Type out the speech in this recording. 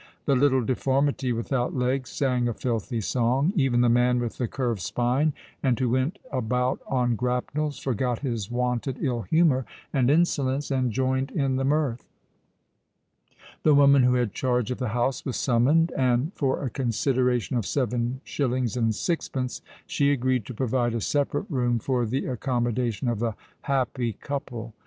The little deformity, without legs, sang a filthy song: even the man with the curved spine, and who went about on grapnels, forgot his wonted ill humour and insolence, and joined in the mirth. The woman, who had charge of the house, was summoned; and, for a consideration of seven shillings and sixpence, she agreed to provide a separate room for the accommodation of the "happy couple."